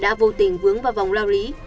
đã vô tình vướng vào vòng lao lý